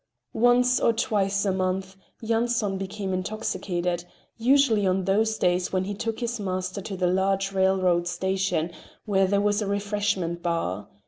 Once or twice a month Yanson became intoxicated, usually on those days when he took his master to the large railroad station, where there was a refreshment bar.